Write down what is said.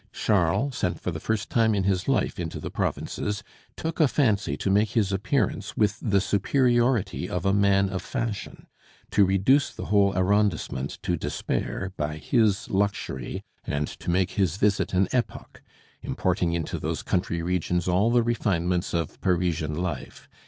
Charles, sent for the first time in his life into the provinces, took a fancy to make his appearance with the superiority of a man of fashion, to reduce the whole arrondissement to despair by his luxury, and to make his visit an epoch, importing into those country regions all the refinements of Parisian life.